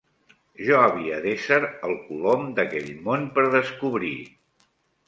Jo havia d'ésser el Colom d'aquell món per descobrir.